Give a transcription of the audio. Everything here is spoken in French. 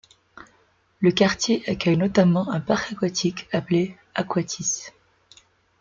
Le quartier accueille notamment un parc aquatique appelé AkOatys.